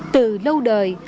từ lâu đời